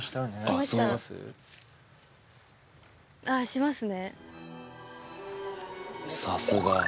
あっしますね。